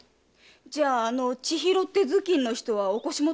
じゃああの“千尋”って頭巾の人はお腰元？